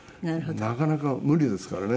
なかなか無理ですからね。